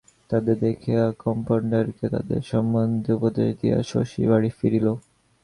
তাদের দেখিয়া কম্পাউন্ডারকে তাদের সম্বন্ধে উপদেশ দিয়া শশী বাড়ি ফিরিল।